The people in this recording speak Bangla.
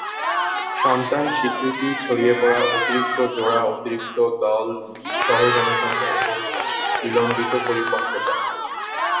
সন্তান স্বীকৃতি, ছড়িয়ে পড়া, অতিরিক্ত-জোড়া/অতিরিক্ত দল সহ-জনস্ংখ্যা এবং বিলম্বিত পরিপক্কতা।